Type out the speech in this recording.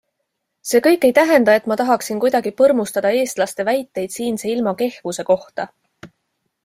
See kõik ei tähenda, et ma tahaksin kuidagi põrmustada eestlaste väiteid siinse ilma kehvuse kohta.